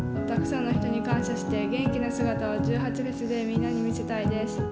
たくさんの人に感謝して元気な姿を１８祭でみんなに見せたいです。